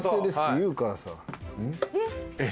「えっ？」